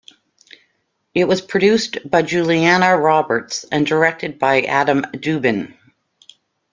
It was produced by Juliana Roberts and directed by Adam Dubin.